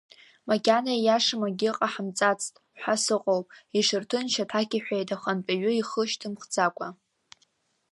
Макьана ииашам акгьы ҟаҳамҵацт ҳәа сыҟоуп, иҽырҭынч аҭак иҳәеит ахантәаҩы ихы шьҭымхӡакәа.